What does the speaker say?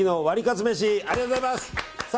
ありがとうございます。